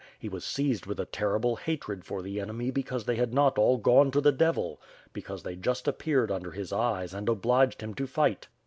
He was seized with a terrible hatred for the enemy because they had not all gone to the devil; because they just appeared under his eyes and obliged him to fight.